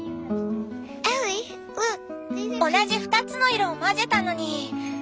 同じ２つの色を混ぜたのに。